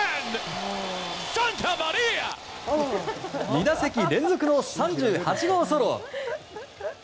２打席連続の３８号ソロ。